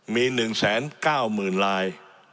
มี๑๙๐๐๐ลาย